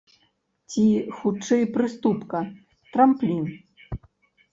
Ці хутчэй прыступка, трамплін?